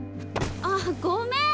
あっごめん。